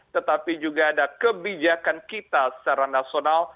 tetapi juga ada kebijakan kita secara nasional